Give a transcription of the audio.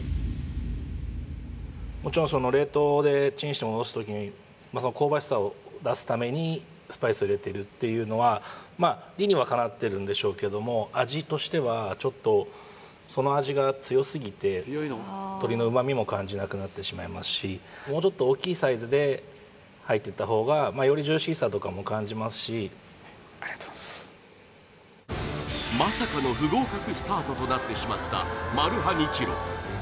もちろんその冷凍でチンして戻すときに香ばしさを出すためにスパイスを入れてるっていうのはまあ理にはかなってるんでしょうけども味としてはちょっとその味が強すぎて鶏の旨味も感じなくなってしまいますしもうちょっと大きいサイズで入ってた方がよりジューシーさとかも感じますしありがとうございますまさかの不合格スタートとなってしまったマルハニチロ